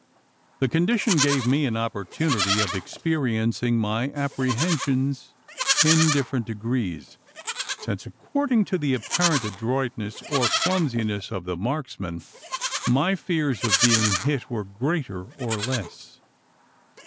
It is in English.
The condition gave me an opportunity of experiencing my apprehensions in different degrees: since, according to the apparent adroitness or clumsiness of the marksman, my fears of being hit were greater or less.